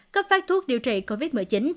có phát thuốc điều trị covid một mươi chín